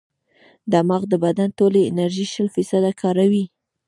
دماغ د بدن ټولې انرژي شل فیصده کاروي.